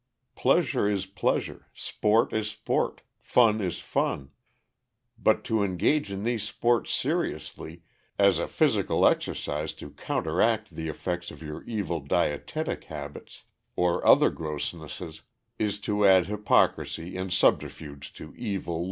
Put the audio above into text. Pleasure is pleasure, sport is sport, fun is fun, but to engage in these sports seriously, as a physical exercise to counteract the effects of your evil dietetic habits or other grossnesses, is to add hypocrisy and subterfuge to evil living.